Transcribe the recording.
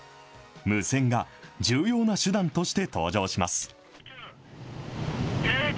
無線が、重要な手段として登場します。